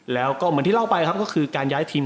แล้วก็เหมือนที่เล่าไปครับก็คือการย้ายทีม